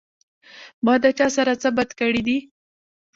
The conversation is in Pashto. ما د چا سره څۀ بد کړي دي